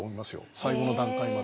最後の段階まで。